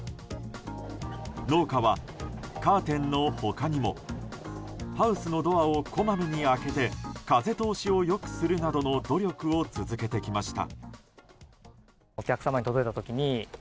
農家は、カーテンの他にもハウスのドアをこまめに開けて風通しを良くするなどの努力を続けてきました。